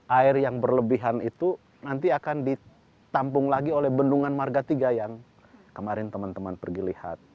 air yang berlebihan itu nanti akan ditampung lagi oleh bendungan marga tiga yang kemarin teman teman pergi lihat